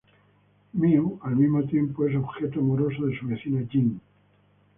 Mew, al mismo tiempo, es objeto amoroso de su vecina Ying.